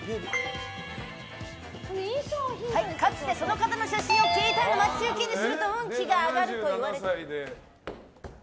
かつてその方の写真を携帯の待ち受けにすると運気が上がるといわれていました。